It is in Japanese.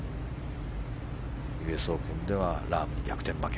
ＵＳオープンではラームに逆転負け。